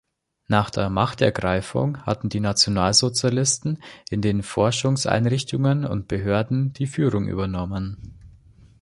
Nach der „Machtergreifung“ hatten die Nationalsozialisten in den Forschungseinrichtungen und Behörden die Führung übernommen.